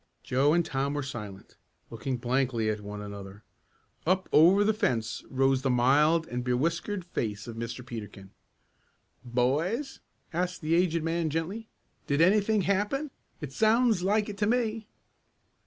Joe and Tom were silent looking blankly one at the other. Up over the fence rose the mild and bewhiskered face of Mr. Peterkin. "Boys," asked the aged man gently. "Did anything happen? It sounds like it to me."